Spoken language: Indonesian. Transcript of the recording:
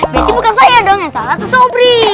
berarti bukan saya dong yang salah atau sobri